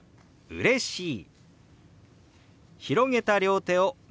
「うれしい」。